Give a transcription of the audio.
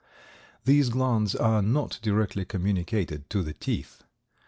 These glands are not directly communicated to the teeth.